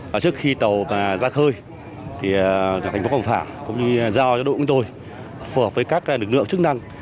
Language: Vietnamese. và trước khi tàu ra khơi thì thành phố cẩm phả cũng như giao cho đội của tôi phù hợp với các lực lượng chức năng